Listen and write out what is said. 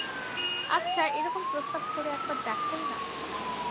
আচ্ছা, এরকম প্রস্তাব করে একবার দেখোই-না!